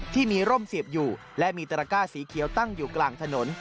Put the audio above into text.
ที่มีร่มเสียบอยู่และมีตระก้าสีเขียวตั้งอยู่กลางถนน